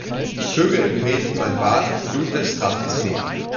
Vögel empfehlen ihm, ein Bad im Blut des Drachen zu nehmen.